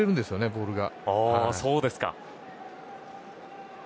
ボールが。